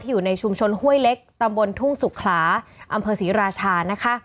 อยู่ในชุมชนห้วยเล็กตำบลทุ่งสุขลาอำเภอศรีราชานะคะ